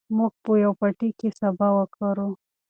موږ به په پټي کې سابه وکرو.